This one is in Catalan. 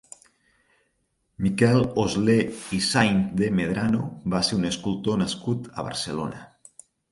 Miquel Oslé i Sáenz de Medrano va ser un escultor nascut a Barcelona.